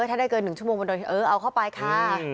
ถ้าได้เกิน๑ชั่วโมงเอาเข้าไปค่ะ